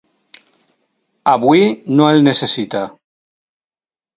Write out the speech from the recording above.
Avui no el necessita.